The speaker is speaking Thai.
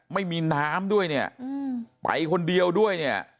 ไม่มีน้ำด้วยเนี่ยไปคนเดียวด้วยเนี่ย